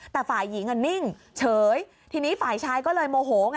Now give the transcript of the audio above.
แต่ฝ่ายหญิงนิ่งเฉยทีนี้ฝ่ายชายก็เลยโมโหไง